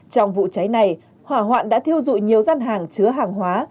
trong vụ cháy này hỏa hoạn đã thiêu dụi nhiều gian hàng chứa hàng hóa